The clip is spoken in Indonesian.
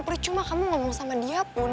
perih cuma kamu ngomong sama dia pun